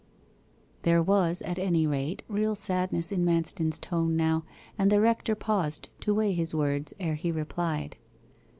There was, at any rate, real sadness in Manston's tone now, and the rector paused to weigh his words ere he replied.